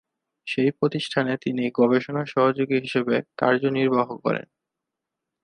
সেই প্রতিষ্ঠানে তিনি গবেষণা সহযোগী হিসেবে কার্যনির্বাহ করেন।